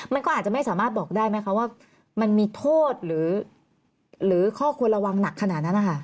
มันก็อาจจะไม่สามารถบอกได้ไหมคะว่ามันมีโทษหรือข้อควรระวังหนักขนาดนั้นนะคะ